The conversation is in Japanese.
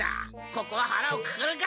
ここははらをくくるか！